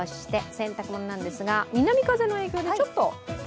洗濯物なんですが、南風の影響でちょっと。